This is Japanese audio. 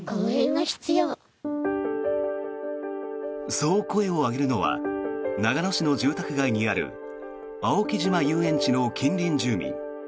そう声を上げるのは長野市の住宅街にある青木島遊園地の近隣住民。